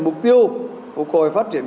mục tiêu phục hồi phát triển